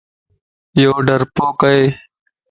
يو ڊرپوڪ ائي